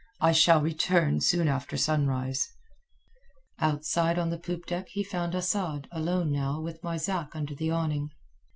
I shall return soon after sunrise." Outside on the poop deck he found Asad alone now with Marzak under the awning.